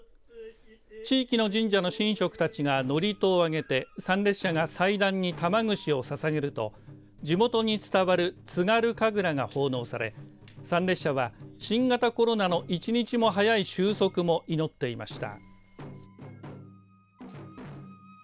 地域の神社の神職たちが祝詞を上げて参列者が祭壇に玉串をささげると地元に伝わる津軽神楽が奉納され参列者は新型コロナの１日も早い終息も祈っていました。